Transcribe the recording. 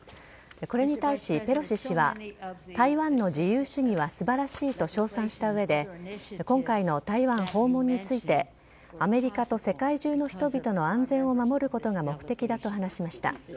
これに対し、ペロシ氏は台湾の自由主義は素晴らしいと称賛した上で今回の台湾訪問についてアメリカと世界中の人々の安全を守ることが目的だと話しました。